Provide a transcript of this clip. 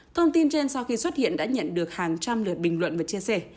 thông tin trên sau khi xuất hiện đã nhận được hàng trăm lời bình luận và chia sẻ